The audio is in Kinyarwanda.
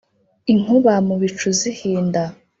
inkuba mu bicu zihinda